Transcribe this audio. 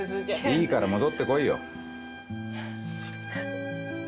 いいから戻ってこいよ。